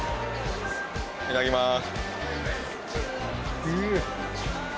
いただきます